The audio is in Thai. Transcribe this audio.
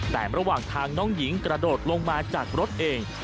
แต่ระหว่างทางน้องหญิงกระโดดลงมาจากรถเอง